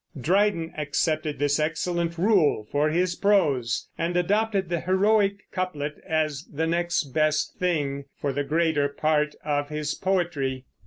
Dryden accepted this excellent rule for his prose, and adopted the heroic couplet, as the next best thing, for the greater part of his poetry.